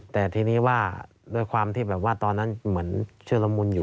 แต่ทีนี้ว่าด้วยความที่แบบว่าตอนนั้นเหมือนเชื่อละมุนอยู่